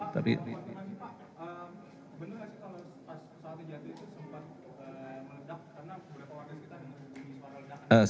bapak benar gak sih kalau pas saat terjadi itu sempat meledak karena beberapa wakil kita di tempat meledak